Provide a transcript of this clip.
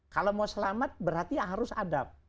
kalau mau selamat berarti harus adab